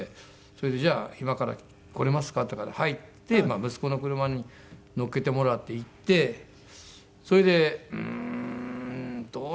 それで「じゃあ今から来れますか？」って言うから「はい」っつって息子の車に乗っけてもらって行ってそれで「うーんどうしましょう？」